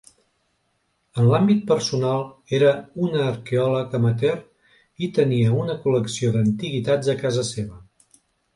En l'àmbit personal era un arqueòleg amateur i tenia una col·lecció d'antiguitats a casa seva.